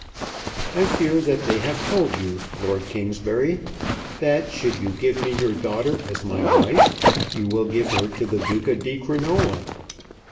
"I fear that they have told you, Lord Kingsbury, that should you give me your daughter as my wife, you will give her to the Duca di Crinola."